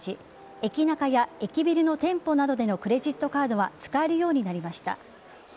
エキナカや駅ビルの店舗などでのクレジットカードは使えるようになりました。